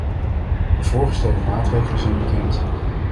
De voorgestelde maatregelen zijn bekend.